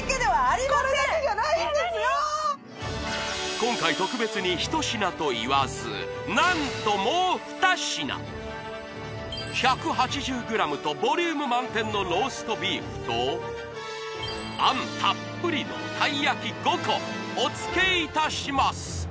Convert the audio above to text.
今回特別に１品といわず何ともう２品１８０ｇとボリューム満点のローストビーフとあんたっぷりのたい焼き５個おつけいたします！